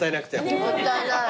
もったいない。